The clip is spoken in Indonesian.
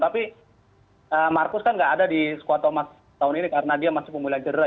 tapi marcus kan nggak ada di squad thomas tahun ini karena dia masih pemula jera